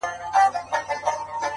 پوهه له لټون سره پراخیږي